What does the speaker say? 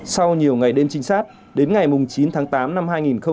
sau nhiều ngày đêm trinh sát đến ngày chín tháng tám năm hai nghìn hai mươi hai